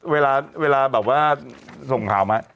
เวลาแบบว่าส่งข่าวมา